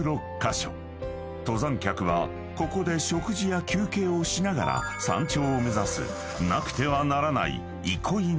［登山客はここで食事や休憩をしながら山頂を目指すなくてはならない］